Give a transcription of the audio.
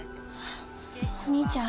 お兄ちゃん。